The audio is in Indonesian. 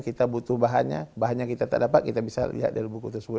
kita butuh bahannya bahan yang kita tak dapat kita bisa lihat dari buku tersebut